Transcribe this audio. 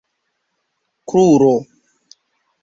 kruro